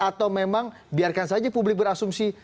atau memang biarkan saja publik berasumsi